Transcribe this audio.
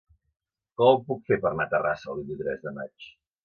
Com ho puc fer per anar a Terrassa el vint-i-tres de maig?